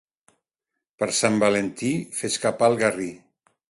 Per Sant Valentí, fes capar el garrí.